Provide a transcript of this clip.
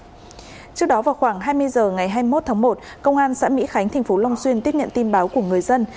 trước đó vào khoảng hai mươi h ngày hai mươi một tháng một công an xã mỹ khánh thành phố long xuyên tiếp nhận tin báo của người dân